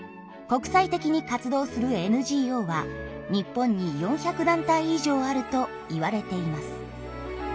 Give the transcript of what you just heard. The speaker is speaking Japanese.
国際的に活動するＮＧＯは日本に４００団体以上あるといわれています。